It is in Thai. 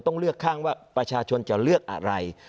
ต้องเลือกข้างว่าประชาชนจะเลือกอะไร